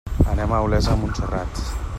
Anem a Olesa de Montserrat.